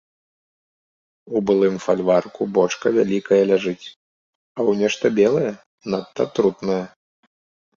У былым фальварку бочка вялікая ляжыць, а ў нешта белае, надта атрутнае.